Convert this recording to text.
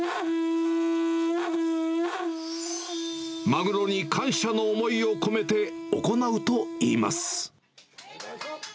マグロに感謝の思いを込めて行うといいます。